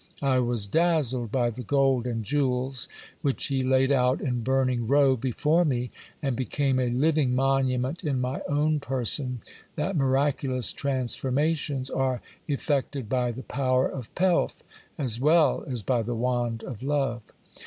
I was dazzled by the gold and jewels which he laid out in burning row before me, and became a living monument in my own person, that miraculous transformations are effect ed by the power of pelf, as well as by the wand of love.